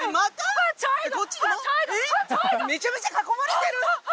めちゃめちゃ囲まれてる！